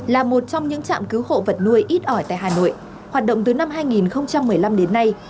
là một trong những trạm cứu hộ vật nuôi ít ỏi tại hà nội hoạt động từ năm hai nghìn một mươi năm đến nay